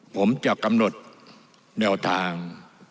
ผมจะกำหนดแนวทาง